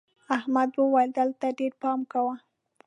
احمد وويل: دلته ډېر پام کوه.